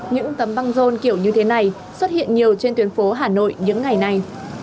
những tấm băng rôn kiểu như thế này xuất hiện nhiều trên tuyến phố hà nội những ngày này